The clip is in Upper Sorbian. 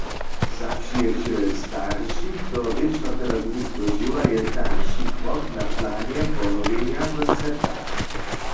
Zapřijeće staršich do rěčnopedagogiskeho dźěła je dalši krok na planje ponowjenja koncepta.